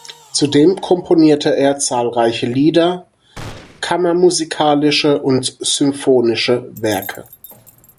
Zudem komponierte er zahlreiche Lieder, kammermusikalische und symphonische Werke.